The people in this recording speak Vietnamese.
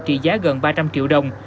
trị giá gần ba trăm linh triệu đồng